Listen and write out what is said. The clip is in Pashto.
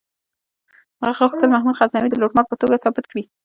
هغه غوښتل محمود غزنوي د لوټمار په توګه ثابت کړي.